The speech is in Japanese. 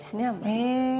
へえ。